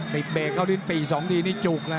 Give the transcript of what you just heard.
ปิ๊บเบคเข้าด้วยปีสองทีนี่จุกนะ